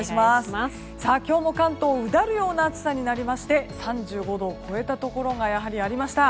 今日も関東うだるような暑さになりまして３５度を超えたところがやはりありました。